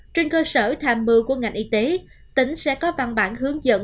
trên cơ sở tham mưu của ngành y tế tỉnh sẽ có văn bản hướng dẫn